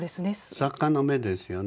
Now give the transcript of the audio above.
作家の目ですよね。